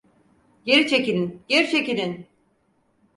Geri çekilin, geri çekilin!